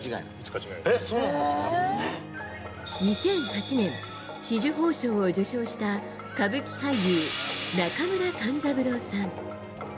２００８年紫綬褒章を受章した歌舞伎俳優・中村勘三郎さん。